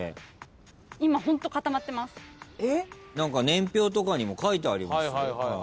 年表とかにも書いてあります。